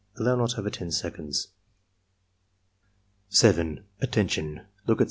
(Allow not over 10 seconds.) 7. *' Attention! Look at 7.